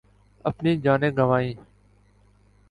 اپنی جانیں گنوائیں